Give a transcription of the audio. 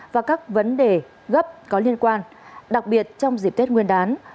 và các vấn đề gấp có liên quan đặc biệt trong dịp tết nguyên đán